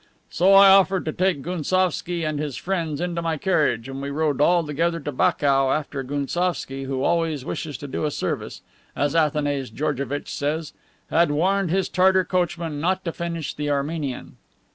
"So I offered to take Gounsovski and his friends into my carriage, and we rode all together to Bakou after Gounsovski, who always wishes to do a service, as Athanase Georgevitch says, had warned his Tartar coachman not to finish the Armenian."